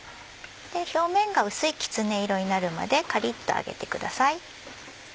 表面が薄いきつね色になるまでカリっと揚げてください。